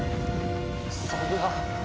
そんな。